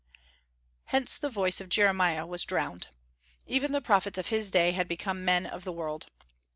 Hence the voice of Jeremiah was drowned. Even the prophets of his day had become men of the world.